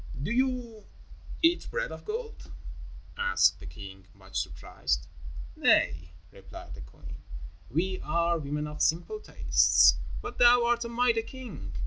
"Do ye eat bread of gold?" asked the king, much surprised. "Nay," replied the queen. "We are women of simple tastes, but thou art a mighty king.